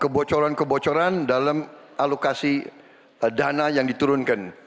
kebocoran kebocoran dalam alokasi dana yang diturunkan